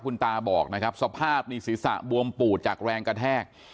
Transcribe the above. คุณตาบอกนะครับสภาพนี่ศีรษะบวมปูดจากแรงกระแทก